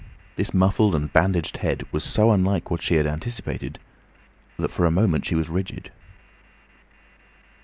This muffled and bandaged head was so unlike what she had anticipated, that for a moment she was rigid.